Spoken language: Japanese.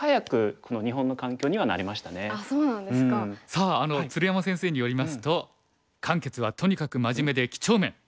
さあ鶴山先生によりますと「漢傑はとにかく真面目で几帳面。